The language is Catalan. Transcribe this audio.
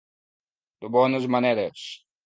De bones maneres.